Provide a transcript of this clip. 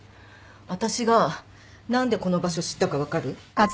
私が何でこの場所知ったか分かる？